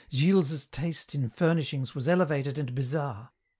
Gilles's taste in furnishings was elevated and bizarre.